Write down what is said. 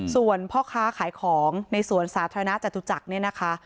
ส่วนพ่อค้าขายของในสวนสาธารณะจตุจักรเนี่ยนะคะ